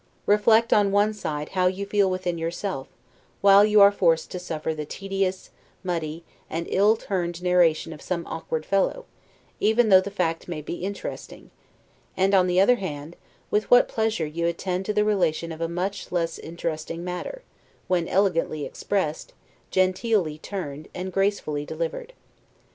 Reflect, on one side, how you feel within yourself, while you are forced to suffer the tedious, muddy, and ill turned narration of some awkward fellow, even though the fact may be interesting; and, on the other hand, with what pleasure you attend to the relation of a much less interesting matter, when elegantly expressed, genteelly turned, and gracefully delivered.